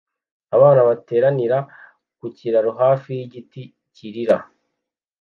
Abantu bateranira ku kiraro hafi yigiti kirira